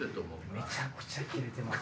めちゃくちゃキレてます。